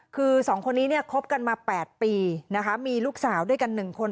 คือ๒คนนี้เนี่ยคบกันมา๘ปีนะคะมีลูกสาวด้วยกัน๑คน